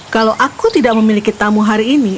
kalau aku tidak memiliki tamu hari ini